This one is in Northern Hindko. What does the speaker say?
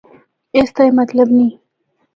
اس دا اے مطلب نیں۔